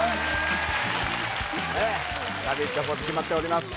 ポーズ決まっております